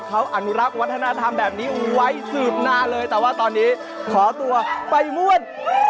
เขาอนุรักษ์วัฒนธรรมแบบนี้ไว้สืบนานเลยแต่ว่าตอนนี้ขอตัวไปม่วน